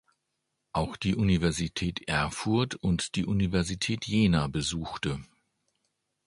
Auch die Universität Erfurt und die Universität Jena besuchte.